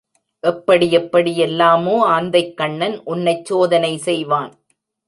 எப்படியெப்படி எல்லாமோ ஆந்தைக்கண்ணன் உன்னைச் சோதனை செய்வான்.